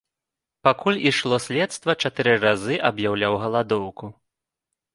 Пакуль ішло следства чатыры разы аб'яўляў галадоўку.